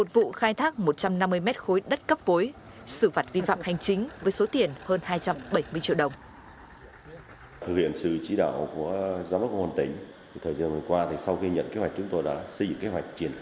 một vụ khai thác một trăm năm mươi m ba đất cấp bối xử vật vi phạm hành chính